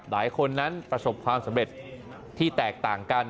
หลายคนนั้นประสบความสำเร็จที่แตกต่างกัน